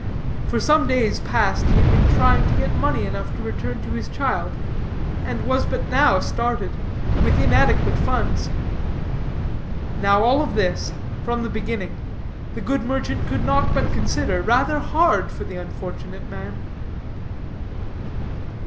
For some days past he had been trying to get money enough to return to his child, and was but now started with inadequate funds. Now all of this, from the beginning, the good merchant could not but consider rather hard for the unfortunate man.